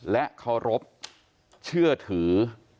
และเคารพเชื่อถือ